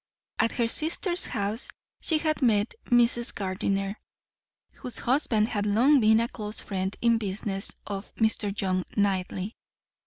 At her sister's house she had met Mrs. Gardiner, whose husband had long been a close friend in business of Mr. John Knightley.